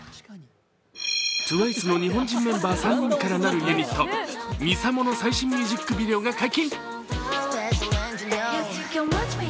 ＴＷＩＣＥの日本人メンバー３人からなるユニットＭＩＳＡＭＯの最新ミュージックビデオが解禁。